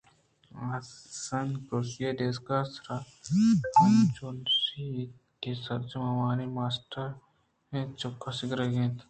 آسن ءِ کرسی ءُڈیسک ءِ سرا انچو نشت اَنت کہ سرجمءَ آوانی ماسٹر اِنت ءُچکاس گرگ ءَ اتکگ